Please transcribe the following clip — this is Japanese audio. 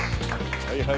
はいはい。